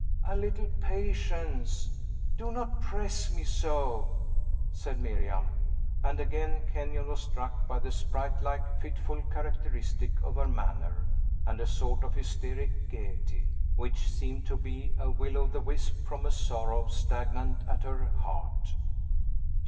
"A little patience. Do not press me so," said Miriam; and again Kenyon was struck by the sprite like, fitful characteristic of her manner, and a sort of hysteric gayety, which seemed to be a will o' the wisp from a sorrow stagnant at her heart.